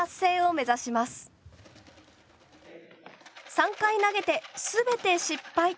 ３回投げて全て失敗。